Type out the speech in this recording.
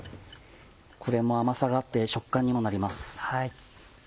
これも甘さがあって食感にもなります。